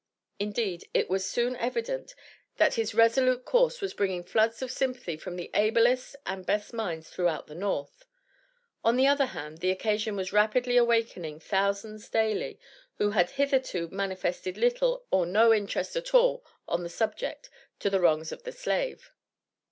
Indeed, it was soon evident, that his resolute course was bringing floods of sympathy from the ablest and best minds throughout the North. On the other hand, the occasion was rapidly awakening thousands daily, who had hitherto manifested little or no interest at all on the subject, to the wrongs of the slave.